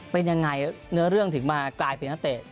เป็นยังไงเนื้อเรื่องถึงมากลายเป็นนักเตะ